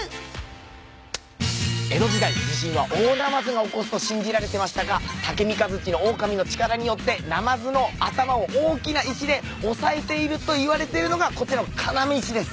江戸時代地震はオオナマズが起こすと信じられてましたが武甕槌大神の力によってナマズの頭を大きな石で押さえているといわれてるのがこちらの要石です。